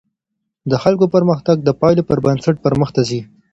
د خلګو پرمختګ د پایلو پر بنسټ پرمخته ځي.